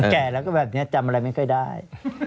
แก่แล้วก็แบบนี้จำอะไรไม่ค่อยได้